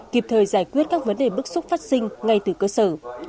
kịp thời giải quyết các vấn đề bức xúc phát sinh ngay từ cơ sở